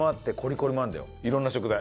いろんな食材。